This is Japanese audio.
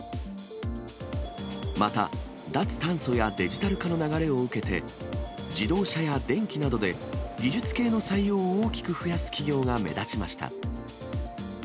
また、脱炭素やデジタル化の流れを受けて、自動車や電機などで、技術系の採用を大きく増やす企業が目立ちました。